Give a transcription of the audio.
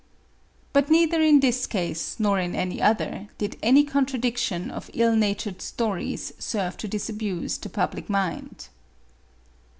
But neither in this case nor in any other, did any contradiction of ill natured stories serve to disabuse the public mind.